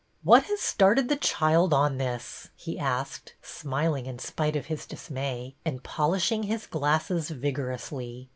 '' What has started the child on this ?" he asked, smiling in spite of his dismay, and polish ing his glasses vigorously.